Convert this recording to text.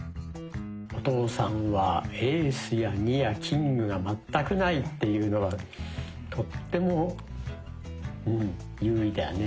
お父さんはエースや「２」やキングが全くないっていうのはとってもうん優位だね。